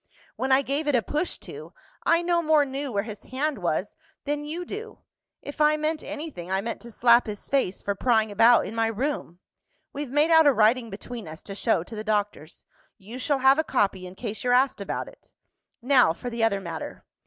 When I gave it a push to, I no more knew where his hand was, than you do. If I meant anything, I meant to slap his face for prying about in my room. We've made out a writing between us, to show to the doctors. You shall have a copy, in case you're asked about it. Now for the other matter.